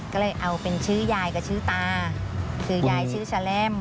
ก็เลยเอาเป็นชื่อยายกับชื่อตาคือยายชื่อแสลม